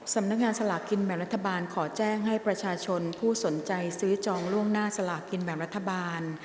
สำนักงานสลากกินแบ่งรัฐบาลขอแจ้งให้ประชาชนผู้สนใจซื้อจองล่วงหน้าสลากกินแบ่งรัฐบาล